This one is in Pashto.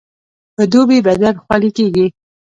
په دوبي بدن خولې کیږي